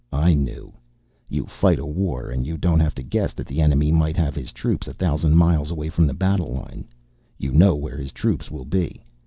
I knew. You fight a war and you don't have to guess that the enemy might have his troops a thousand miles away from the battle line. You know where his troops will be.